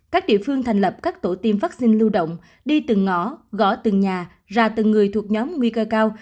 các địa phương thành lập các tổ tiêm vaccine lưu động đi từng ngõ gõ từng nhà ra từng người thuộc nhóm nguy cơ cao